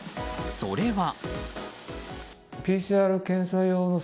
それは。